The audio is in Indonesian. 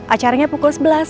acaranya pukul sebelas